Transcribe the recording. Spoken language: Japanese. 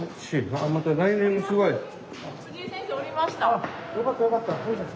あっよかったよかった。